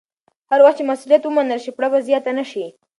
هر وخت چې مسوولیت ومنل شي، پړه به زیاته نه شي.